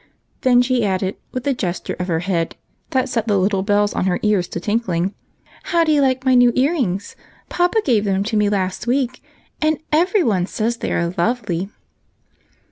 Then she added, with a gesture of her head that set the little bells on her ears to tingling :" How do you like my new ear rings ? Papa gave them to me last week, and every one says they are lovely."